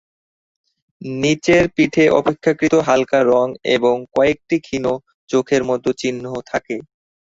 নিচের পিঠে অপেক্ষাকৃত হালকা রঙ এবং কয়েকটি ক্ষীণ চোখের মতো চিহ্ন থাকে।